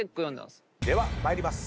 では参ります。